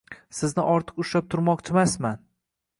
Sizni ortiq ushlab turmoqchimasman